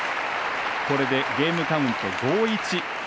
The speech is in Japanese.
これで、ゲームカウント５−１。